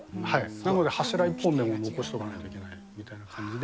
なので、柱一本でも残しておかないといけないみたいな感じで。